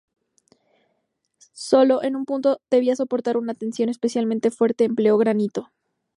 Sólo en un punto que debía soportar una tensión especialmente fuerte empleó granito.